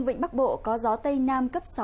vịnh bắc bộ có gió tây nam cấp sáu